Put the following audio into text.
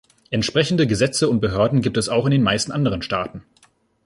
Entsprechende Gesetze und Behörden gibt es auch in den meisten anderen Staaten.